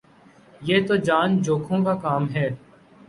یہ تو جان جو کھوں کا کام ہے